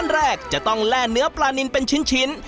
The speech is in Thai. แรกจะต้องแล่เนื้อปลานินเป็นชิ้น